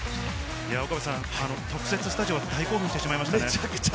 特設スタジオは大興奮してしまいました。